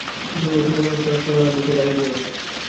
সুতরাং এই-সকল অনুষ্ঠান ও পুরাণাদিকে গালি দিও না।